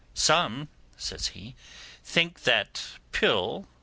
Some', says he, 'think that pill.